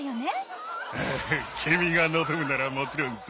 君が望むならもちろんさ！